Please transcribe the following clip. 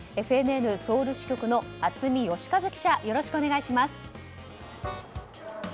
ＦＮＮソウル支局の熱海吉和記者よろしくお願いします。